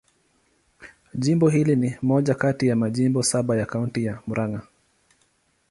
Jimbo hili ni moja kati ya majimbo saba ya Kaunti ya Murang'a.